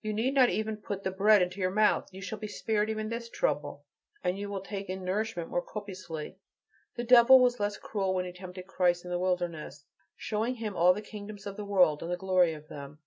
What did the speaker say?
You need not even put the bread into your mouth, you shall be spared even this trouble, and you will take in nourishment all the more copiously. The devil was less cruel when he tempted Christ in the wilderness, showing Him all the kingdoms of the world and the glory of them.